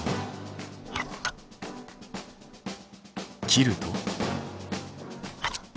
切ると。